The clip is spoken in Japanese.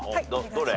どれ？